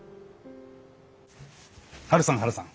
ハルさんハルさん。